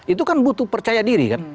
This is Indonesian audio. itu kan butuh percaya diri kan